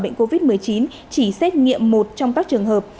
bệnh covid một mươi chín chỉ xét nghiệm một trong các trường hợp